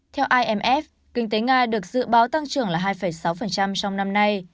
theo imf kinh tế nga được dự báo tăng trưởng là hai sáu trong năm nay